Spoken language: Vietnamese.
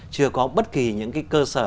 chưa có bất kỳ những cái cơ sở